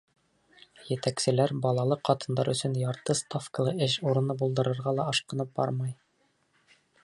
Етәкселәр балалы ҡатындар өсөн ярты ставкалы эш урыны булдырырға ла ашҡынып бармай.